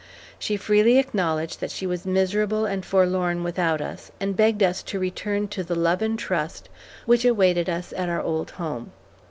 She freely acknowledged that she was miserable and forlorn without us, and begged us to return to the love and trust which awaited us at our old home.